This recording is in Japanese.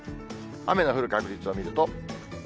雨の降る確率を見ると。